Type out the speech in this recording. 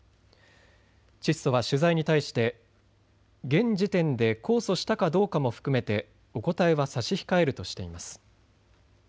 チッソは取材に対して現時点で控訴したかどうかも含めてお答えは差し控えるとしています。